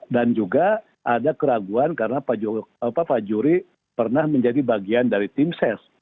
dan juga ada keraguan karena pak juri pernah menjadi bagian dari tim ses